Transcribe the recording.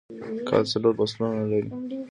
کال څلور فصلونه لري